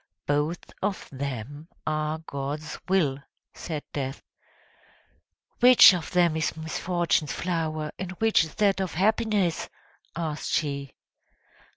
"Both of them are God's will!" said Death. "Which of them is Misfortune's flower and which is that of Happiness?" asked she.